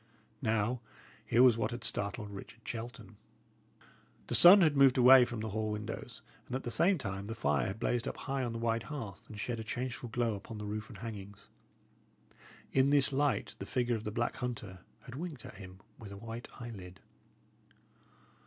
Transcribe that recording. Now, here was what had startled Richard Shelton. The sun had moved away from the hall windows, and at the same time the fire had blazed up high on the wide hearth, and shed a changeful glow upon the roof and hangings. In this light the figure of the black hunter had winked at him with a white eyelid.